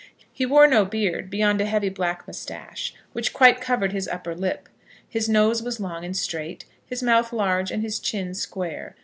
He wore no beard beyond a heavy black moustache, which quite covered his upper lip. His nose was long and straight, his mouth large, and his chin square.